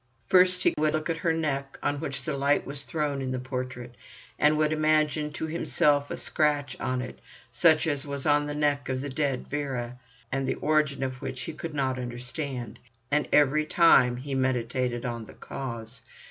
First he would look at her neck, on which the light was thrown in the portrait, and would imagine to himself a scratch on it, such as was on the neck of the dead Vera, and the origin of which he could not understand. And every time he meditated on the cause.